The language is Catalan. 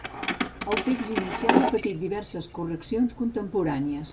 El text inicial ha patit diverses correccions contemporànies.